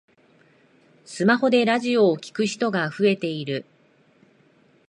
スマホでラジオを聞く人が増えている